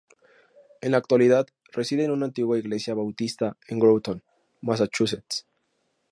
En la actualidad reside en una antigua iglesia Bautista en Groton, Massachusetts.